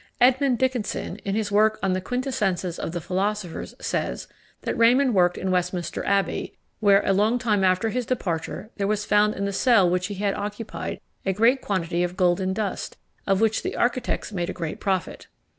Edmond Dickenson, in his work on the Quintessences of the Philosophers, says, that Raymond worked in Westminster Abbey, where, a long time after his departure, there was found in the cell which he had occupied a great quantity of golden dust, of which the architects made a great profit.